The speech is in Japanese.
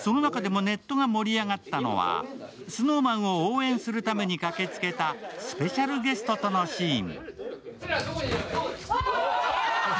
その中でもネットが盛り上がったのは、ＳｎｏｗＭａｎを応援するために駆けつけたスペシャルゲストとのシーン。